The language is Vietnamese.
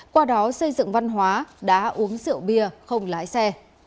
qua đó xây dựng văn hóa đã uống rượu bia không lái xe